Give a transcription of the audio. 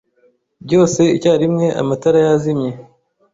Byose icyarimwe amatara yazimye.